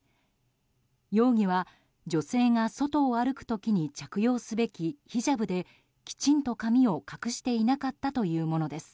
容疑は、女性が外を歩く時に着用すべきヒジャブできちんと髪を隠していなかったというものです。